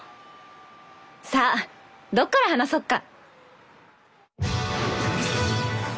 さあどっから話そっか？